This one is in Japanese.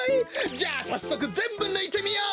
じゃさっそくぜんぶぬいてみよう。